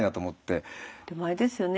でもあれですよね